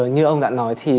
như ông đã nói thì